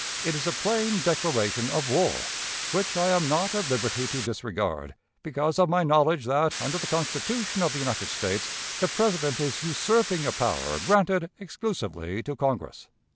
It is a plain declaration of war, which I am not at liberty to disregard, because of my knowledge that, under the Constitution of the United States, the President is usurping a power granted exclusively to Congress."